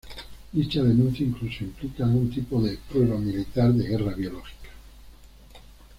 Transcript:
Dicha denuncia incluso implica algún tipo de prueba militar de guerra biológica.